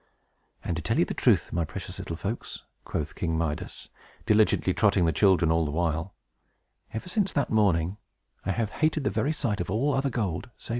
"And to tell you the truth, my precious little folks," quoth King Midas, diligently trotting the children all the while, "ever since that morning, I have hated the very sight of all other gold, save this!"